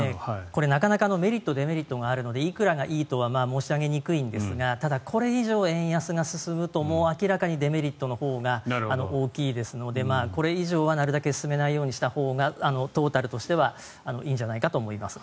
なかなかメリット、デメリットがあるのでいくらがいいとは申し上げにくいんですがただ、これ以上円安が進むと明らかにデメリットのほうが大きいですのでこれ以上は、なるべく進まないようにしたほうがトータルとしてはいいんじゃないかと思います。